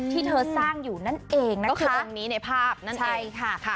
ที่เธอสร้างอยู่นั่นเองนั่นก็คือองค์นี้ในภาพนั่นเองค่ะ